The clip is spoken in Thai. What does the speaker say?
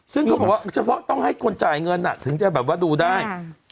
ซึ่งเขาบอกว่าเฉพาะต้องให้คนจ่ายเงินถึงจะแบบว่าดูได้